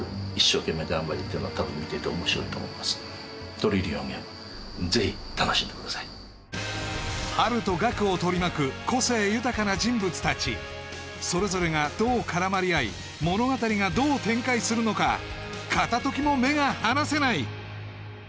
そこも楽しめますしやっぱりハルとガクを取り巻く個性豊かな人物達それぞれがどう絡まり合い物語がどう展開するのか片時も目が離せない！